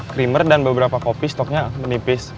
krimer dan beberapa kopi stoknya menipis